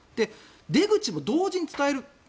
出口も同時に伝える。